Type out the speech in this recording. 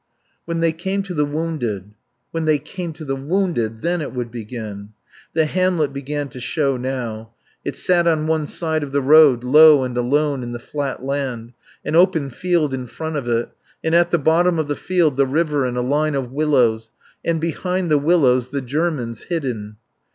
When they came to the wounded, when they came to the wounded, then it would begin. The hamlet began to show now; it sat on one side of the road, low and alone in the flat land, an open field in front of it, and at the bottom of the field the river and a line of willows, and behind the willows the Germans, hidden.